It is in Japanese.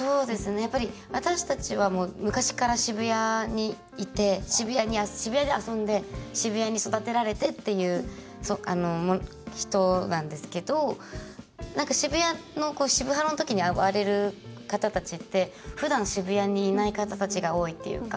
私たちは昔から渋谷にいて渋谷で遊んで、渋谷に育てられてっていう人なんですけどなんか、渋谷の渋ハロの時に暴れる方たちってふだん、渋谷にいない方たちが多いっていうか。